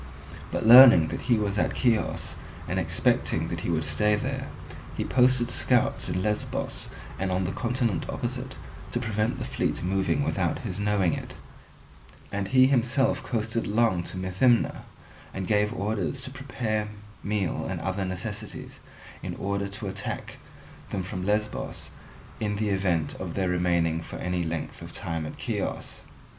But learning that he was at Chios, and expecting that he would stay there, he posted scouts in Lesbos and on the continent opposite to prevent the fleet moving without his knowing it, and himself coasted along to Methymna, and gave orders to prepare meal and other necessaries, in order to attack them from Lesbos in the event of their remaining for any length of time at Chios.